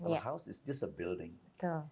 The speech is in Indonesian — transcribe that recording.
kalau house itu hanya bangunan